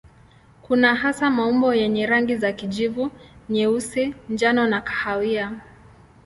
Kuna hasa maumbo yenye rangi za kijivu, nyeusi, njano na kahawia.